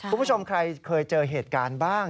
คุณผู้ชมใครเคยเจอเหตุการณ์บ้าง